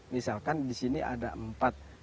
misalkan di sini ada empat